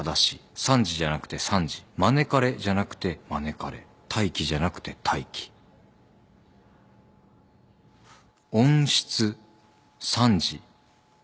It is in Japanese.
「賛辞」じゃなくて「三時」「紹かれ」じゃなくて「招かれ」「対機」じゃなくて「待機」えっ？